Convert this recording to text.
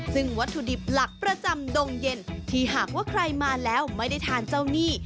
ซึ่งวัตถุดิบหลักประจำดงเย็นที่หากว่าใครมาแล้วไม่ได้ทานเจ้านี่